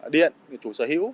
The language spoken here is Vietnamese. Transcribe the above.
điện chủ sở hữu